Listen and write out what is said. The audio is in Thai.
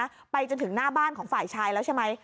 เอาผู้หญิงไปจนถึงหน้าบ้านของฝ่ายชายแล้วใช่ไหม